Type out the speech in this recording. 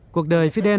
cuộc đời fidel